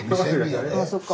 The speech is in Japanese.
ああそっか。